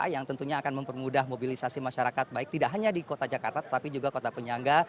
yang tentunya akan mempermudah mobilisasi masyarakat baik tidak hanya di kota jakarta tetapi juga kota penyangga